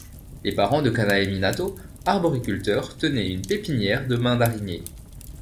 Les parents de Kanae Minato, arboriculteurs, tenaient une pépinière de mandariniers.